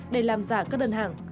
để làm giả các đơn hàng